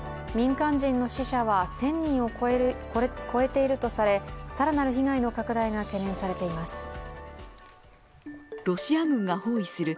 民間人の死者は１０００人を超えているとされ、更なる被害の拡大が懸念されています。